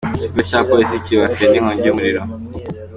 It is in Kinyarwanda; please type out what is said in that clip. Ikigo cya Polisi cyibasiwe n’inkongi y’umuriro